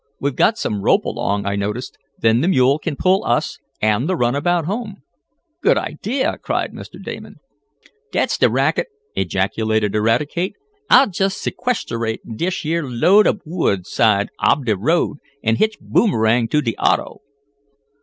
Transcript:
We've got some rope along, I noticed. Then the mule can pull us and the runabout home." "Good idea!" cried Mr. Damon. "Dat's de racket!" ejaculated Eradicate. "I'll jest sequesterate dish year load ob wood side ob de road, an' hitch Boomerang to de auto."